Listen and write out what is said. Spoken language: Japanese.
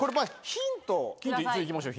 ヒントいきましょう。